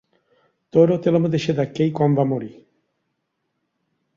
Toro té la mateixa edat que ell quan va morir.